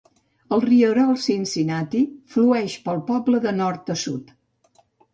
El rierol Cincinnati flueix pel poble de nord a sud.